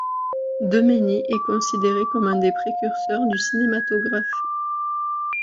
Demenÿ est considéré comme un des précurseurs du cinématographe.